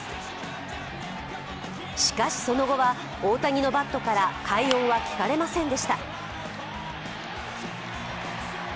しかしその後は、大谷のバットから快音は聞かれませんでした。